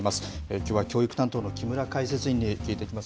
きょうは教育担当の木村解説委員に聞いていきます。